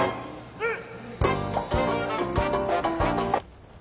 うん。